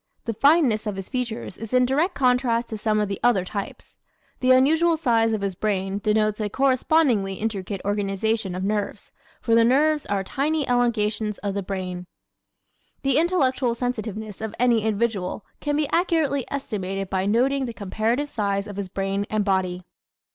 The fineness of his features is in direct contrast to some of the other types. The unusual size of his brain denotes a correspondingly intricate organization of nerves, for the nerves are tiny elongations of the brain. The intellectual sensitiveness of any individual can be accurately estimated by noting the comparative size of his brain and body.